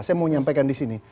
saya mau nyampaikan di sini